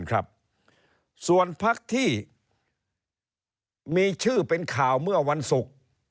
ครับส่วนพักที่มีชื่อเป็นข่าวเมื่อวันศุกร์